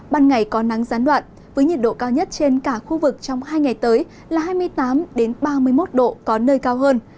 ban ngày có nắng gián đoạn với nhiệt độ cao nhất trên cả khu vực trong hai ngày tới là hai mươi tám ba mươi một độ có nơi cao hơn